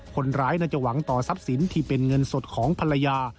คนร้ายน่าจะหวังต่อทรัพย์สินที่เป็นเงินสดของภรรยา